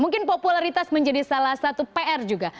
mungkin popularitas menjadi salah satu pr juga